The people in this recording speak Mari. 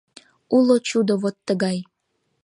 Уло чудо вот тыгай: